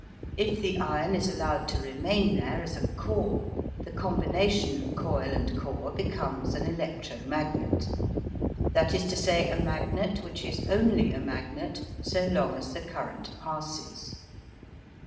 If the iron is allowed to remain there as a core, the combination of coil and core becomes an electro magnet, that is to say, a magnet which is only a magnet so long as the current passes.